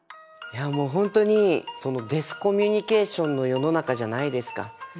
いやもう本当にディスコミュニケーションの世の中じゃないですか。